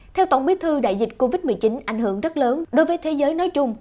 theo tổng bí thư đại dịch covid một mươi chín ảnh hưởng rất lớn đối với thế giới nói chung